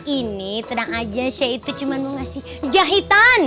ini terang aja saya cuma mau ngasih jahitan